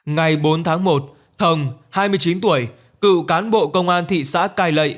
ngày bốn tháng một thồng hai mươi chín tuổi cựu cán bộ công an thị xã cai lệ